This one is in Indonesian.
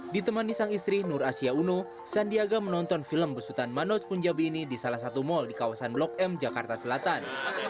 ditemani sang istri nur asia uno sandiaga menonton film besutan manoj punjabi ini di salah satu mal di kawasan blok m jakarta selatan